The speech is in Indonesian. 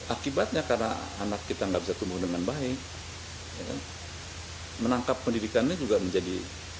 akibatnya karena anak kita nggak bisa tumbuh dengan baik menangkap pendidikannya juga menjadi